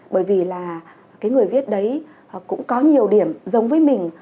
bởi vì là cái người viết đấy cũng có nhiều điểm giống với mình